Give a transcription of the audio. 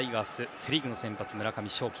セ・リーグの先発村上頌樹。